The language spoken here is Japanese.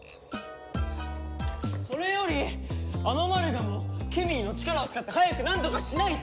それよりあのマルガムをケミーの力を使って早くなんとかしないと！